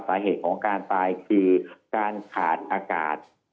สาเหตุของการตายคือการขาดอากาศ